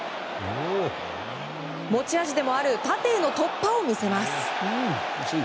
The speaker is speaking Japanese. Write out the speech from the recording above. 持ち味でもある縦への突破を見せます。